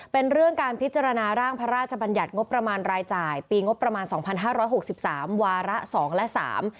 เป็นเรื่องการพิจารณาร่างพระราชบัญญัติงบประมาณรายจ่ายปีงบประมาณ๒๕๖๓วาระ๒และ๓